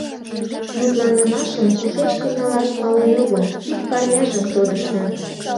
Мутланымашым кушеч тӱҥалаш пален огыл, кид парняжым тодыштын.